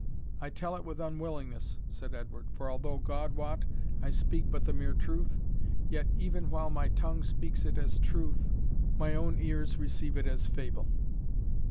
"I tell it with unwillingness," said Edward; "for although, God wot, I speak but the mere truth, yet even while my tongue speaks it as truth, my own ears receive it as fable."